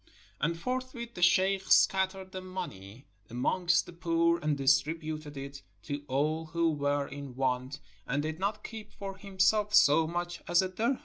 And forthwith the sheikh scattered the money amongst the poor and distributed it to all who were in want, and did not keep for himself so much as a dirhem.